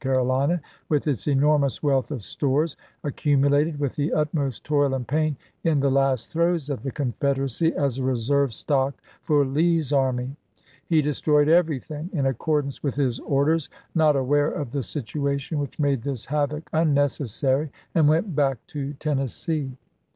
C, with its enormous wealth of stores, accumulated with the utmost toil and pain, in the last throes of the Confederacy, as a reserve stock for Lee's army. He destroyed everything, in ac cordance with his orders, not aware of the situation which made this havoc unnecessary, and went back to Tennessee.